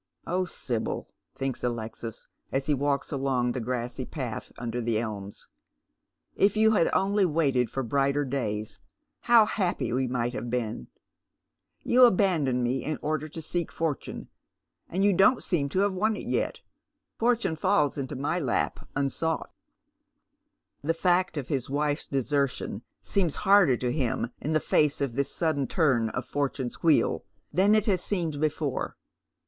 " Oh, Sibyl," thinks Alexis as he walks along the grassy path under the elms, " if you had only waited for brighter days, how happy we might have been ! You abandon me in order to seek fortune, and you don't seem to have won it yet. Fortune falls into my lap unsought." The fact of his wife's desertion seems harder to him in tht face of this sudden turn of fortune's wheel than it has seemed before.